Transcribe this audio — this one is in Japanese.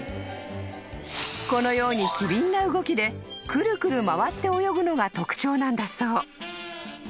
［このように機敏な動きでくるくる回って泳ぐのが特徴なんだそう］